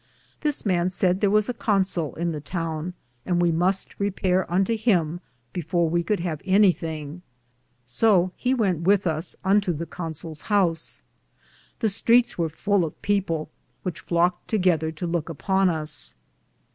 This man saide thare was a Consoll in the towne, and we muste repare unto him before we could have anythinge, so he wente with us unto the Consols house. The streetes weare full of people, which flocked together to louke upon us.